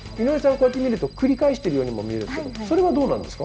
こうやって見ると繰り返してるようにも見えるんですけどそれはどうなんですか？